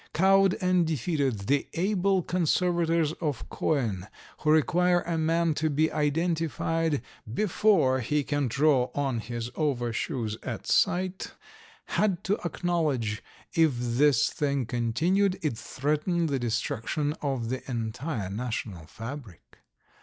Cowed and defeated, the able conservators of coin, who require a man to be identified before he can draw on his overshoes at sight, had to acknowledge if this thing continued it threatened the destruction of the entire national fabric.